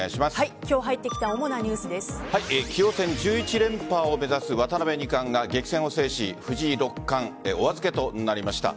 今日入ってきた棋王戦１１連覇を目指す渡辺二冠が激戦を制し藤井六冠、お預けとなりました。